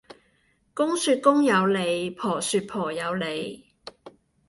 公說公有理，婆說婆有理